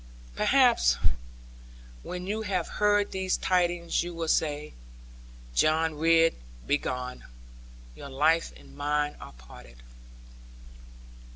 Perhaps, when you have heard these tidings you will say, "John Ridd, begone; your life and mine are parted."'